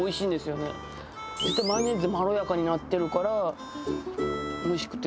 マヨネーズでまろやかになってるからおいしくて。